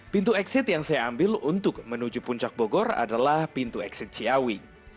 pintu exit yang saya ambil untuk menuju puncak bogor adalah pintu eksit ciawi